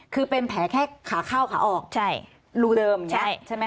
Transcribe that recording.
คือเป็นแผลแค่ขาเข้าขาออกรูเดิมใช่ไหมครับ